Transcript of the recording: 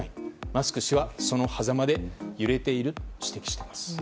マスク氏はそのはざまで揺れていると指摘しています。